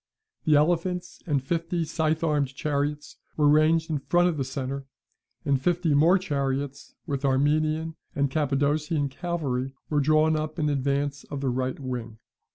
The elephants and fifty scythe armed chariots were ranged in front of the centre; and fifty more chariots, with the Armenian and Cappadocian cavalry, were drawn up in advance of the right wing.